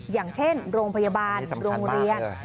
อย่างเช่นโรงพยาบาลโรงเรียน